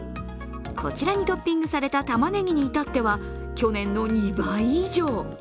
こちらにトッピングされた玉ねぎに至っては去年の２倍以上。